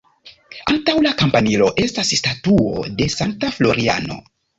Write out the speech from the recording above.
Antaŭ la kampanilo estas statuo de Sankta Floriano.